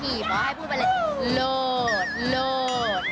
เพราะว่าให้พูดไปเลยโล่น